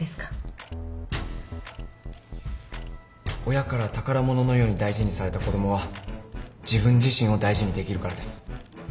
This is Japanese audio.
親から宝物のように大事にされた子供は自分自身を大事にできるからです。